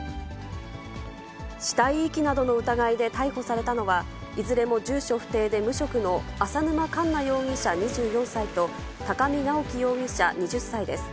死体遺棄などの疑いで逮捕されたのは、いずれも住所不定で無職の淺沼かんな容疑者２４歳と、高見直輝容疑者２０歳です。